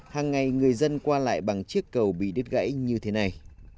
hàng ngày người dân qua lại bằng chiếc cầu bị đứt gãy như thế này